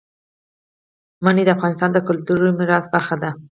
منی د افغانستان د کلتوري میراث برخه ده.